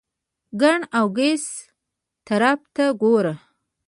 ګېڼ او ګس طرف ته ګوره !